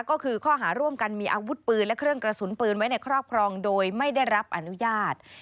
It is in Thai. ก็คือข้อหาร่วมกันมีอาวุธปืนและเครื่องกระสุนปืนไว้ในครอบครองโดยไม่ได้รับอนุญาต